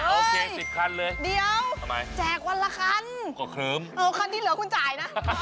โอเค๑๐คันเลยเดี๋ยวแจกวันละคันคันที่เหลือคุณจ่ายนะโอเค๑๐คันเลยเดี๋ยวทำไม